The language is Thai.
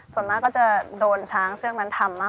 ชื่องนี้ชื่องนี้ชื่องนี้ชื่องนี้ชื่องนี้